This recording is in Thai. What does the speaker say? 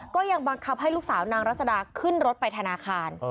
ก็ยังบังคับให้ลูกสาวนางรัศดาขึ้นรถไปธนาคาร